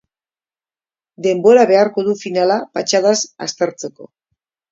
Denbora beharko du finala patxadaz aztertzeko.